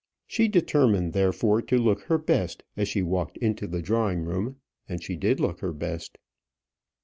She determined, therefore, to look her best as she walked into the drawing room; and she did look her best.